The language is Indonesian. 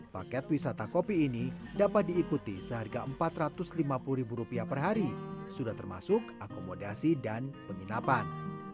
paket wisata kopi ini dapat diikuti seharga rp empat ratus lima puluh ribu rupiah per hari sudah termasuk akomodasi dan penginapan